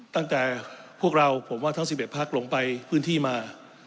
ตั้งแต่พวกเราผมว่าทั้ง๑๑พักลงไปพื้นที่มา